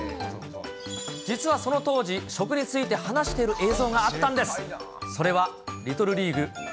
実はその当時、食について話している映像があったんです。